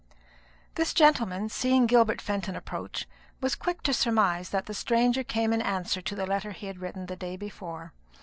This gentleman, seeing Gilbert Fenton approach, was quick to surmise that the stranger came in answer to the letter he had written the day before.